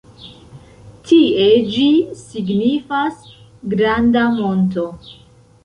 Tie ĝi signifas "granda monto".